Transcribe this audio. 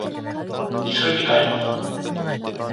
急いで帰った。